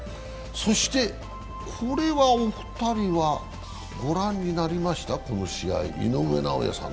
そしてこれはお二人はご覧になりました、この試合？井上尚弥さん。